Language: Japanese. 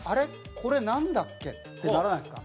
これ、なんだっけ？ってならないですか？